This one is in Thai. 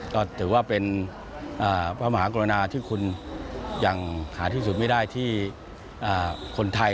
ก็ถือว่าเป็นพระมหากรณาที่คุณยังหาที่สุดไม่ได้ที่คนไทย